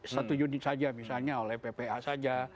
satu unit saja misalnya oleh ppa saja